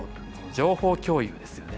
情報共有ですよね。